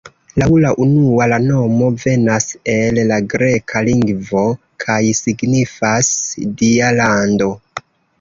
Laŭ la unua la nomo venas el la greka lingvo kaj signifas "Dia lando".